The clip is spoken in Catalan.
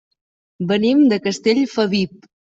Venim de Castellfabib.